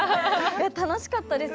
楽しかったです